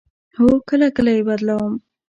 هو، کله کله یی بدلوم